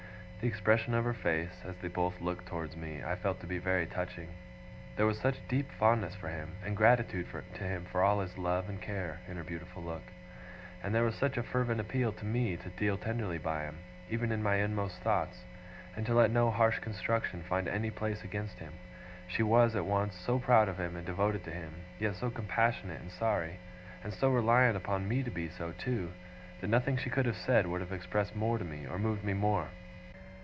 The expression of her face, as they both looked towards me, I felt to be very touching. There was such deep fondness for him, and gratitude to him for all his love and care, in her beautiful look; and there was such a fervent appeal to me to deal tenderly by him, even in my inmost thoughts, and to let no harsh construction find any place against him; she was, at once, so proud of him and devoted to him, yet so compassionate and sorry, and so reliant upon me to be so, too; that nothing she could have said would have expressed more to me, or moved me more.